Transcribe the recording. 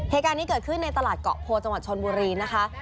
เหตุการณ์นี้เกิดขึ้นในตลาดเกาะโพจังหวัดชนบุรีนะคะ